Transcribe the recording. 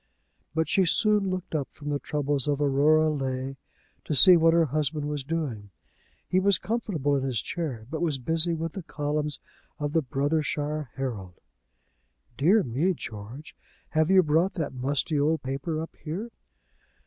But she soon looked up from the troubles of Aurora Leigh to see what her husband was doing. He was comfortable in his chair, but was busy with the columns of the Brothershire Herald. "Dear me, George, have you brought that musty old paper up here?"